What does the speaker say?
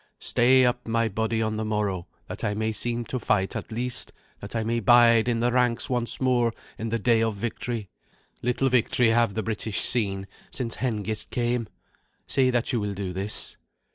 Stay up my body on the morrow, that I may seem to fight at least, that I may bide in the ranks once more in the day of victory. Little victory have the British seen since Hengist came. Say that you will do this."